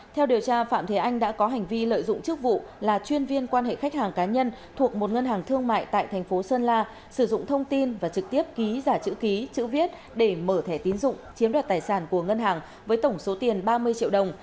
theo điều tra phạm thế anh đã có hành vi lợi dụng chức vụ là chuyên viên quan hệ khách hàng cá nhân thuộc một ngân hàng thương mại tại thành phố sơn la sử dụng thông tin và trực tiếp ký giả chữ ký chữ viết để mở thẻ tín dụng chiếm đoạt tài sản của ngân hàng với tổng số tiền ba mươi triệu đồng